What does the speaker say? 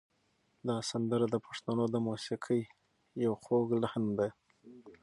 دا سندره د پښتنو د موسیقۍ یو خوږ لحن دی.